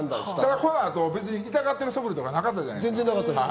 そのあと痛がってるそぶりが全くなかったじゃないですか。